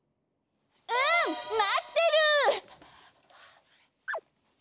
うんまってる！